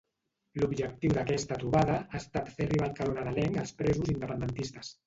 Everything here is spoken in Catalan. L'objectiu d'aquesta trobada ha estat fer arribar el calor nadalenc als presos independentistes.